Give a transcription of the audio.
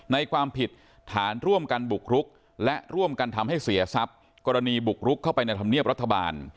ความผิดฐานร่วมกันบุกรุกและร่วมกันทำให้เสียทรัพย์กรณีบุกรุกเข้าไปในธรรมเนียบรัฐบาล